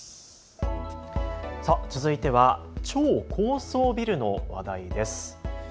続いては超高層ビルの話題です。